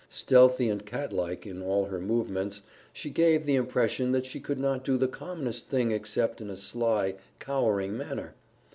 Stealthy and catlike in all her movements, she gave the impression that she could not do the commonest thing except in a sly, cowering manner.